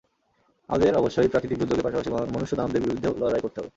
আমাদের অবশ্যই প্রাকৃতিক দুর্যোগের পাশাপাশি মনুষ্য দানবদের বিরুদ্ধেও লড়াই করতে হবে।